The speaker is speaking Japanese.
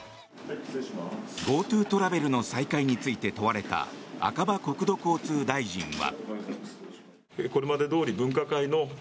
ＧｏＴｏトラベルの再開について問われた赤羽国土交通大臣は。